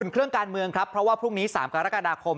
เครื่องการเมืองครับเพราะว่าพรุ่งนี้๓กรกฎาคม